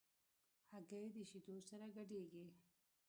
هګۍ د شیدو سره ګډېږي.